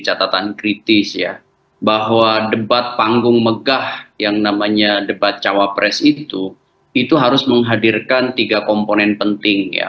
catatan kritis ya bahwa debat panggung megah yang namanya debat cawapres itu itu harus menghadirkan tiga komponen penting ya